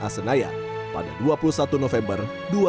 asenaya pada dua puluh satu november